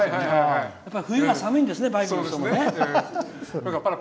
冬は寒いんですね、バイクの人も。